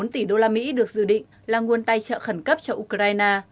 sáu mươi một bốn tỷ đô la mỹ được dự định là nguồn tài trợ khẩn cấp cho ukraine